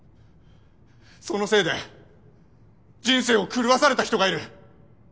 そのせいで人生を狂わされた人がいる。